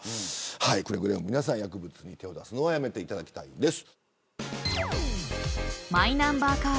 くれぐれも皆さん薬物に手を出すのはやめていただきたいです。